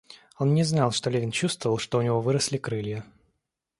Он не знал, что Левин чувствовал, что у него выросли крылья.